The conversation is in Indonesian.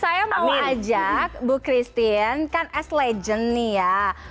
saya mau ajak bu christine kan as legend nih ya